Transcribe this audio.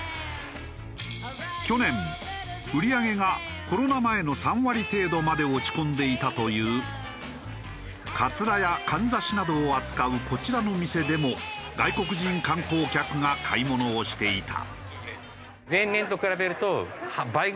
去年売り上げがコロナ前の３割程度まで落ち込んでいたというかつらやかんざしなどを扱うこちらの店でも外国人観光客が買い物をしていた。